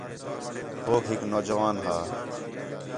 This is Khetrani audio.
ہوک ہِک نوجوان ہا